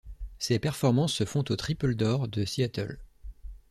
Ces performances se font au Triple Door de Seattle.